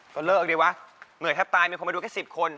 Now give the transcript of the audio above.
ก็เลิกออกดีกว่าเหมือนแค่ตายมีคนมาดูแค่สิบคน